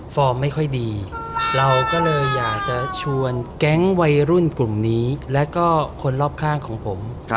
ไม่ค่อยดีเราก็เลยอยากจะชวนแก๊งวัยรุ่นกลุ่มนี้แล้วก็คนรอบข้างของผม